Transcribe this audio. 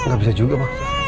gak bisa juga mah